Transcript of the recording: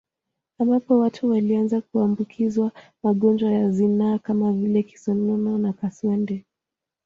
Ambapo watu walianza kuambukizwa magonjwa ya zinaa kama vile kisonono na kaswende